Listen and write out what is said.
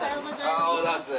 おはようございます。